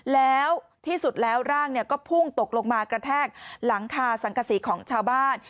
แล้วที่สุดแล้วร่างก็พุ่งตกลงมากระแทกหลังคาสังกษีของชาวบ้าน